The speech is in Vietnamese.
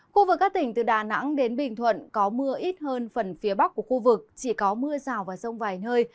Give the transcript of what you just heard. khu vực các tỉnh từ đà nẵng đến bình thuận có mưa ít hơn phần phía bắc của khu vực chỉ có mưa rào và rông vài nơi